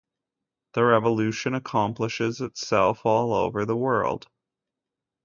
The Revolution accomplishes itself all over the world.